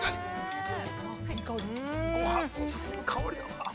ごはんが進む香りだわ。